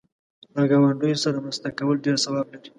له گاونډیو سره مرسته کول ډېر ثواب لري.